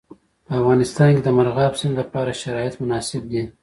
په افغانستان کې د مورغاب سیند لپاره شرایط مناسب دي.